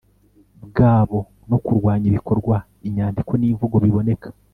bwabo no kurwanya ibikorwa inyandiko n imvugo biboneka